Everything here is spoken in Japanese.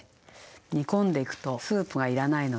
煮込んでいくとスープが要らないので。